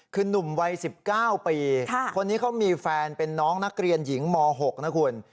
คือนุ่มวัย๑๙ปีคนนี้เขามีแฟนเป็นน้องนักเรียนหญิงม๖นะคุณ